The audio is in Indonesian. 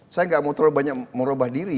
saya nggak mau terlalu banyak merubah diri